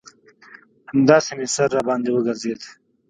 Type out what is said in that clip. همداسې مې سر راباندې وگرځېد.